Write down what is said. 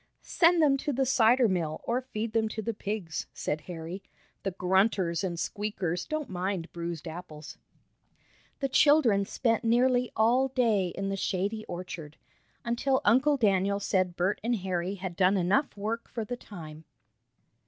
"Send them to the cider mill, or feed them to the pigs," said Harry. "The grunters and squeakers don't mind bruised apples." The children spent nearly all day in the shady orchard, until Uncle Daniel said Bert and Harry had done enough work for the time.